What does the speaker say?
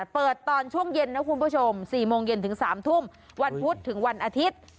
เปิดตอนช่วงเย็นนะคุณผู้ชม๔โมงเย็นถึง๓ทุ่มวันพุธถึงวันอาทิตย์